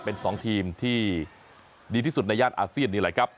เป็น๒ทีมที่ดีที่สุดในย่านอาเซียนนี่แหละครับ